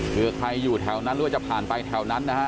เพื่อใครอยู่แถวนั้นหรือว่าจะผ่านไปแถวนั้นนะฮะ